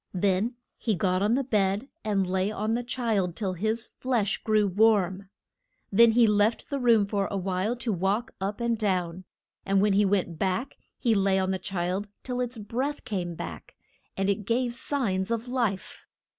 Then he got on the bed, and lay on the child till his flesh grew warm. Then he left the room for a while to walk up and down, and when he went back he lay on the child till its breath came back, and it gave signs of life.